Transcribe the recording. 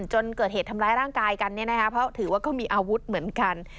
จนเกิดเหตุทำร้ายร่างกายกันเพราะถือว่าก็มีอาวุธเหมือนกัน